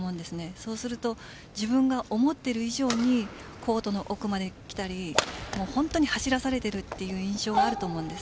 そうすると自分が思っている以上にコートの奥まで来たり本当に走らされているという印象があると思うんです。